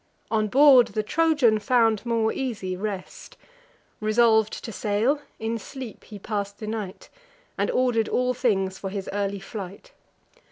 On board, the Trojan found more easy rest. Resolv'd to sail, in sleep he pass'd the night; And order'd all things for his early flight.